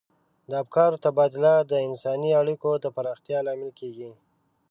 د افکارو تبادله د انساني اړیکو د پراختیا لامل کیږي.